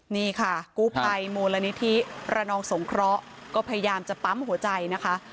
นี่ค่ะกู้ภัยมูลนิธิระนองสงเคราะห์ก็พยายามจะปั๊มหัวใจนะคะ